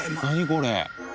これ。